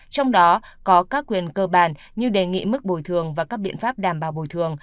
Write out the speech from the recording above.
trong đó có các quyền cơ bản như đề nghị mức bồi thường và các biện pháp đảm bảo bồi thường